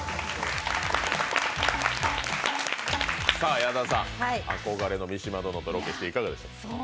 矢田さん、憧れの三島殿とロケしていかがでした？